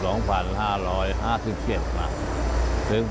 ถึงปัจจุบันนี้ก็เข้าปีที่๓แล้ว